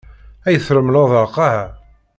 Ay tṛemleḍ a lqaɛa!